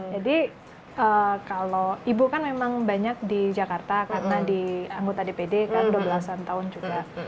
jadi kalau ibu kan memang banyak di jakarta karena di anggota dpd kan dua belas an tahun juga